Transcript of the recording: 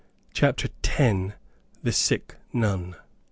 CHAPTER X. THE SICK NUN.